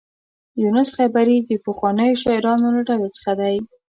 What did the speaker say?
یونس خیبري د پخوانیو شاعرانو له ډلې څخه دی.